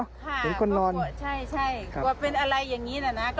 ค่ะเห็นคนรอนใช่ใช่ว่าเป็นอะไรอย่างนี้นะนะ